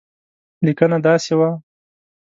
لیکنه داسې وه.